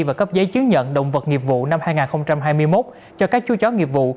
và cấp giấy chứng nhận động vật nghiệp vụ năm hai nghìn hai mươi một cho các chú chó nghiệp vụ